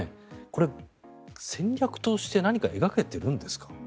これ、戦略として何か描けているんですか。